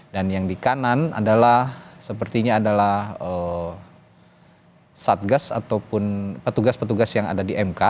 dan yang di kanan adalah sepertinya adalah satgas ataupun petugas petugas yang ada di mk